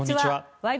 「ワイド！